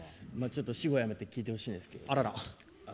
ちょっと私語やめて聞いてほしいんですけどね。